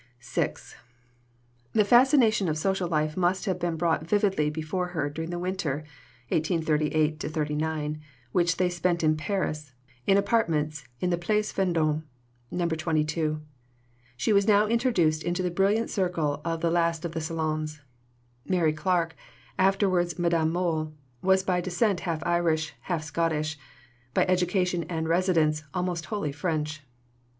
VI The fascination of social life must have been brought vividly before her during the winter (1838 39) which they spent in Paris, in apartments in the Place Vendôme (No. 22). She was now introduced into the brilliant circle of the last of the salons. Mary Clarke, afterwards Madame Mohl, was by descent half Irish, half Scottish; by education and residence, almost wholly French.